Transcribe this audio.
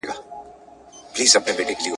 ژوند لکه لمبه ده بقا نه لري ,